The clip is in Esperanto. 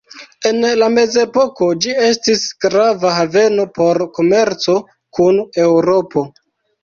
En la mezepoko ĝi estis grava haveno por komerco kun Eŭropo.